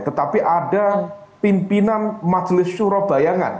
tetapi ada pimpinan majelis surabaya